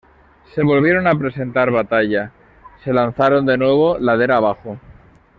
Se volvieron a presentar batalla, se lanzaron de nuevo ladera abajo.